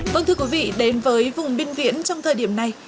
vâng thưa quý vị đến với vùng biên viễn trong thời điểm này